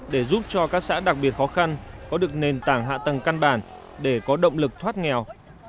để giúp cho các xã đặc biệt khó khăn có được nền tảng hạ tầng căn bản để có động lực thoát nghèo